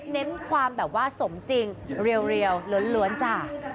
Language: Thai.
เน้นความแบบว่าสมจริงเรียวล้วนจ้ะ